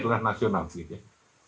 itu adalah kuda lumping yang berkualitas